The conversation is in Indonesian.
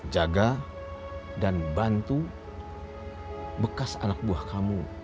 jaga dan bantu bekas anak buah kamu